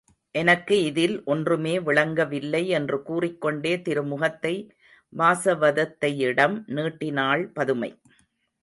எனக்கு இதில் ஒன்றுமே விளங்கவில்லை என்று கூறிக்கொண்டே திருமுகத்தை வாசவதத்தையிடம் நீட்டினாள் பதுமை.